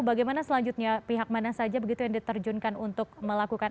bagaimana selanjutnya pihak mana saja begitu yang diterjunkan untuk melakukan